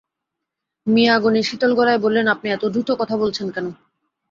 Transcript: মিয়া গনি শীতল গলায় বললেন, আপনি এত দ্রুত কথা বলছেন কেন?